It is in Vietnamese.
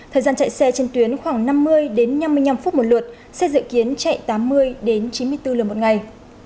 thời gian chạy xe trên tuyến khoảng năm mươi năm mươi năm phút một lượt xe dự kiến chạy tám mươi chín mươi bốn lượt một ngày